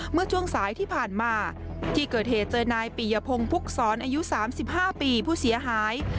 เมื่อช่วงสายที่ผ่านมาที่เกิดเหตุเจอนายปียพงศ์ภุกศรอายุ๓๕ปีผู้เสียหาย